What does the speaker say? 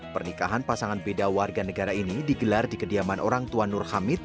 pernikahan pasangan beda warga negara ini digelar di kediaman orang tua nur hamid